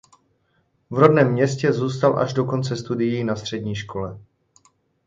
V rodném městě zůstal až do konce studií na střední škole.